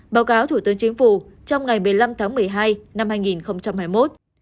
báo cáo thủ tướng chính phủ trong ngày một mươi năm tháng một mươi hai năm hai nghìn hai mươi một